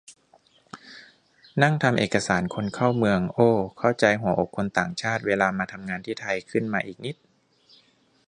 นั่งทำเอกสารคนเข้าเมือง โอ เข้าใจหัวอกคนต่างชาติเวลามาทำงานที่ไทยขึ้นมาอีกนิด